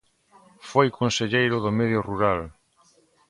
Foi Conselleiro do Medio Rural.